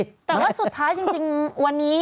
แต่ว่าสุดท้ายจริงวันนี้